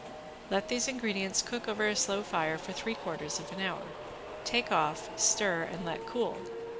Let these ingredients cook over a slow fire for three quarters of a hour, take off, stir and let cool.